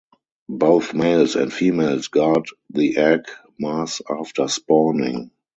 Both males and females guard the egg mass after spawning.